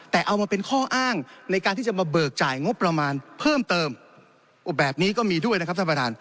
แต่เอามาเป็นข้ออ้างในการที่จะมาเบิกจ่ายงบประมาณเพิ่มเติมแบบนี้ก็มีด้วยนะครับท่านประธาน